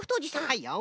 はいよ。